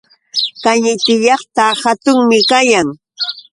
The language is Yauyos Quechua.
Kañiti llaqta hatunmi kayan.